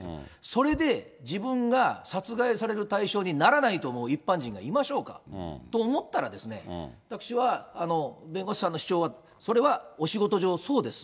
それで自分が殺害される対象にならないと思う一般人がいましょうか。と思ったらですね、私は弁護士さんの主張は、それはお仕事上、そうです。